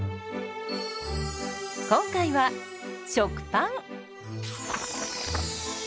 今回は食パン。